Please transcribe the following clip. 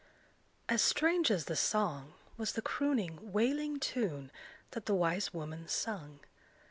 As strange as the song, was the crooning wailing tune that the wise woman sung.